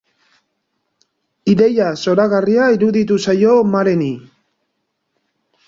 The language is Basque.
Ideia zoragarria iruditu zaio Mareni.